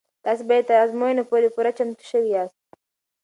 تاسې به تر ازموینې پورې پوره چمتو شوي یاست.